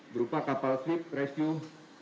berupa kapal sleep rescue